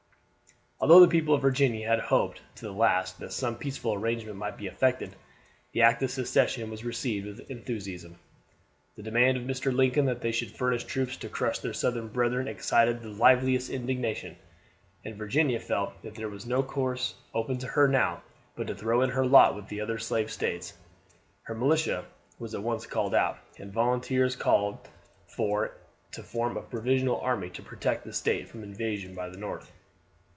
Although the people of Virginia had hoped to the last that some peaceful arrangement might be effected, the Act of Secession was received with enthusiasm. The demand of Mr. Lincoln that they should furnish troops to crush their Southern brethren excited the liveliest indignation, and Virginia felt that there was no course open to her now but to throw in her lot with the other Slaves States. Her militia was at once called out, and volunteers called for to form a provisional army to protect the State from invasion by the North.